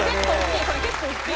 結構大きい。